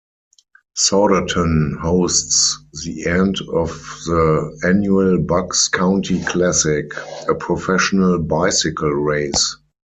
Souderton hosts the end of the annual Bucks County Classic, a professional bicycle race.